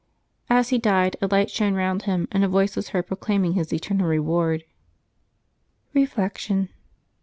As he died, a light shone round him, and a voice was heard proclaiming his eternal reward. Reflection.